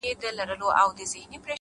کوښښ د استعداد کمښت پوره کوي’